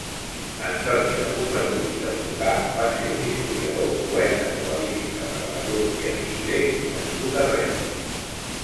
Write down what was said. Antoni de Bofarull i de Brocà va ser un historiador, poeta, novel·lista, dramaturg i arxiver nascut a Reus.